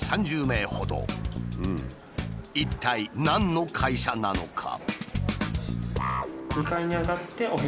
一体何の会社なのか？